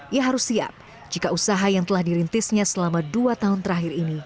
ia harus siap jika usaha yang telah dirintisnya selama dua tahun terakhir ini